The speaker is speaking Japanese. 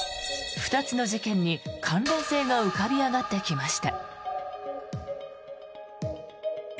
２つの事件に関連性が浮かび上がってきました。